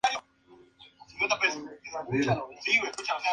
Su nombre de especie honra a Adam Sedgwick.